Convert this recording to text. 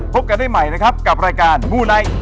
พบกันได้ใหม่นะครับกับรายการมูไนท์